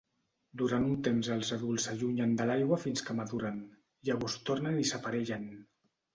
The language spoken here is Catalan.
Durant un temps els adults s'allunyen de l'aigua fins que maduren; llavors tornen i s'aparellen.